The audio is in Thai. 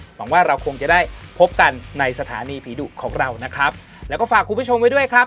หวังว่าเราคงจะได้พบกันในสถานีผีดุของเรานะครับแล้วก็ฝากคุณผู้ชมไว้ด้วยครับ